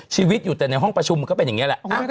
ชีวิตอยู่แต่ในห้องประชุมมันก็เป็นอย่างนี้แหละ